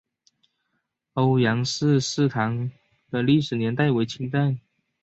欧阳氏祠堂的历史年代为清代。